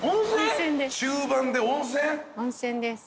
中盤で温泉？